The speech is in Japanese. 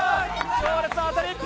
強烈な当たり！